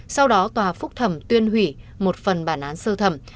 sau đó tòa phúc thẩm tuyên hủy một phần bản án sơ thẩm